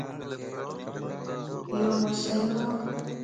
يو مسئلو ا